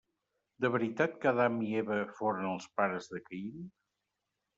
De veritat que Adam i Eva foren els pares de Caín?